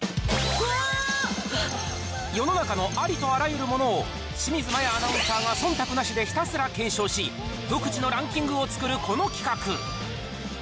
世の中のありとあらゆるものを、清水麻椰アナウンサーがそんたくなしでひたすら検証し、独自のランキングを作るこの企画。